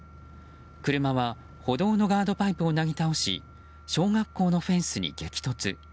車は歩道のガードパイプをなぎ倒し小学校のフェンスに激突。